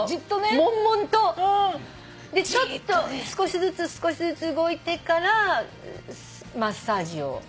もんもんと。でちょっと少しずつ少しずつ動いてからマッサージを。